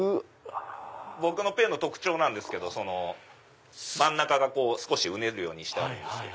僕のペンの特徴なんですけど真ん中が少しうねるようにしてあるんです。